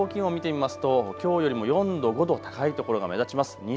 また予想最高気温を見てみますときょうよりも４度、５度、高いところが目立ちます。